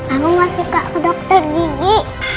aku gak suka ke dokter gigi